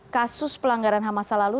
kasus pelanggaran ham masa lalu